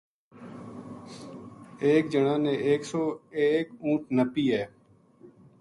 ایک جنا نے ایک سو ایک اُونٹھ نپی ہے